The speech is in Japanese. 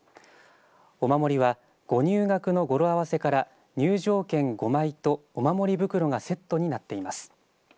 お守りはご入学の語呂合わせから入場券５枚とお守り袋がセットになっています。